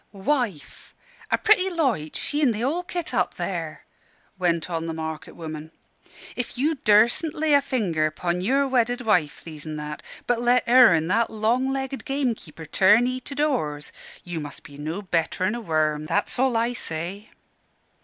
"Wife! a pretty loitch, she an' the whole kit, up there!" went on the market woman. "If you durstn't lay finger 'pon your wedded wife, These an' That, but let her an' that long legged gamekeeper turn'ee to doors, you must be no better'n a worm, that's all I say."